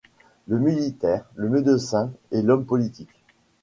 Le militaire, le médecin et l'homme politique.